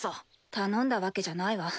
頼んだわけじゃないわ。